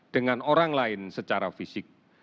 dengan orang lain secara fisik